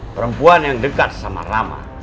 perempuan yang dekat sama rama